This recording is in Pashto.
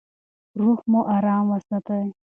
روح مو ارام وساتئ.